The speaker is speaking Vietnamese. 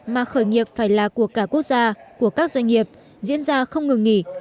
mà khởi nghiệp phải là của cả quốc gia của các doanh nghiệp diễn ra không ngừng nghỉ